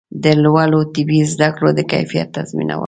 د لوړو طبي زده کړو د کیفیت تضمینول